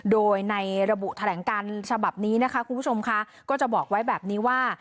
โดยในระบุแถลงการฉบับนี้นะคะคุณผู้ชมค่ะก็จะบอกไว้แบบนี้ว่า